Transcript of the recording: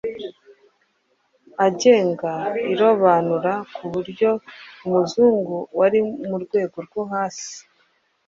agenga irobanura ku buryo umuzungu wari mu rwego rwo hasi